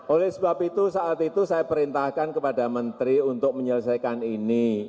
oleh sebab itu saat itu saya perintahkan kepada menteri untuk menyelesaikan ini